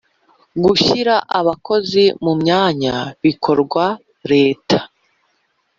Gushyira Abakozi mu myanya bikorwa leta.